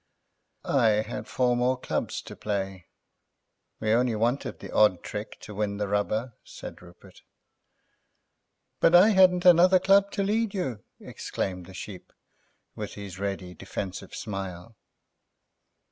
"I had four more clubs to play; we only wanted the odd trick to win the rubber," said Rupert. "But I hadn't another club to lead you," exclaimed the Sheep, with his ready, defensive smile.